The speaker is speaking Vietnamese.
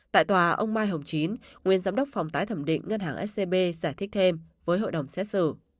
tại tòa ông mai hồng chín nguyên giám đốc phòng tái thẩm định ngân hàng scb giải thích thêm với hội đồng xét xử